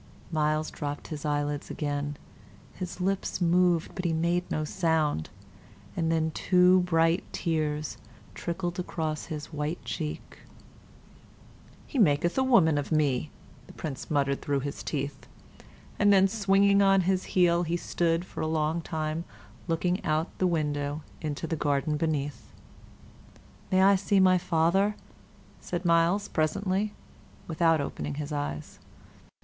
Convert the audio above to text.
Myles dropped his eyelids again; his lips moved, but he made no sound, and then two bright tears trickled across his white cheek. "He maketh a woman of me," the Prince muttered through his teeth, and then, swinging on his heel, he stood for a long time looking out of the window into the garden beneath. "May I see my father?" said Myles, presently, without opening his eyes.